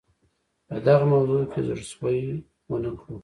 په دغه موضوع کې زړه سوی ونه کړو.